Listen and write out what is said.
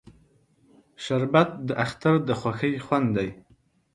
شربت د اختر د خوښۍ خوند دی